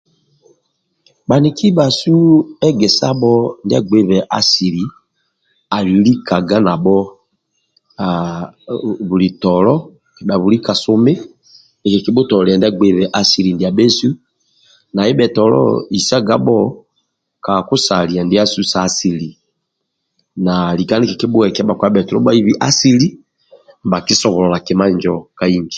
Bhaniki ndibhasu egesabho ndia agbeibe asili ali likaga nabho buli tolo kedha buli kasumi nikiki bhutolia ndia gbeibe asili ndiasu na ndibhetolo isagabho kakusalia ndiasu sa asili na lika nikikibhuekiya bhakpa ndibhetolo ndibhq bhaibi asili nibha kisobolola kima injo ka inji